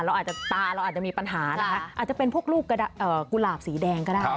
อาจจะตาเราอาจจะมีปัญหานะคะอาจจะเป็นพวกลูกกุหลาบสีแดงก็ได้